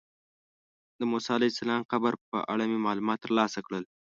د موسی علیه السلام د قبر په اړه مې معلومات ترلاسه کړل.